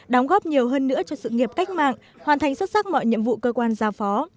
đóng góp nhiều hơn nữa cho sự nghiệp cách mạng hoàn thành xuất sắc mọi nhiệm vụ cơ quan giao phó